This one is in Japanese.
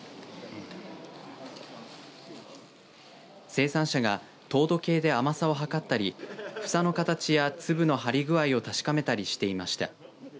生産者が糖度計で甘さを測ったり房の形や粒の張り具合を確かめたりしていました。